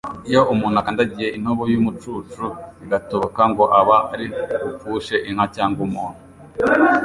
Iyo umuntu akandagiye intobo y’umucucu igatoboka, ngo aba ari bupfushe inka cyangwa umuntu